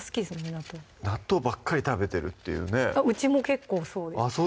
納豆納豆ばっかり食べてるっていうねうちも結構そうですあっ